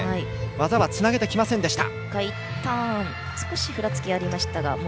技はつなげてきませんでした。